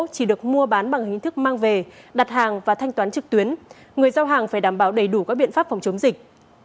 chỉ được mua bán bằng hình thức mang về đặt hàng và thanh toán trực tuyến người giao hàng phải đảm bảo đầy đủ các biện pháp phòng chống dịch